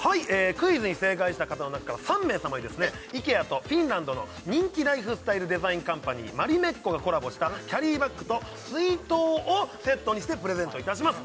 クイズに正解した方の中から３名様にですねイケアとフィンランドの人気ライフスタイルデザインカンパニーマリメッコがコラボしたキャリーバッグと水筒をセットにしてプレゼントいたします